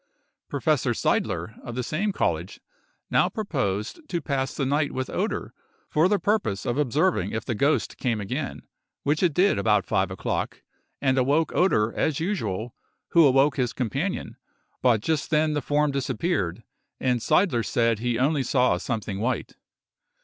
Professor Seidler, of the same college, now proposed to pass the night with Oeder, for the purpose of observing if the ghost came again, which it did about five o'clock, and awoke Oeder as usual, who awoke his companion, but just then the form disappeared, and Seidler said he only saw something white.